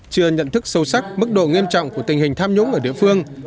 chưa nhận thức sâu sắc mức độ nghiêm trọng của tình hình tham nhũng ở địa phương